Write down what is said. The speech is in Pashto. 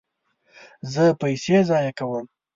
زه پیسې ضایع کوم